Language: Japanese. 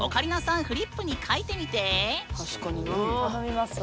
頼みますわ。